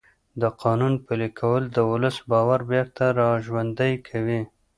د قانون پلي کول د ولس باور بېرته راژوندی کوي